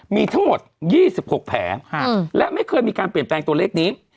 มีทั้งหมดยี่สิบหกแผลฮะอืมและไม่เคยมีการเปลี่ยนแปลงตัวเล็กนี้